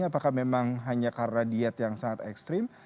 apakah memang hanya karena diet yang sangat ekstrim